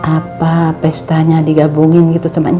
apa pestanya digabungin gitu teman teman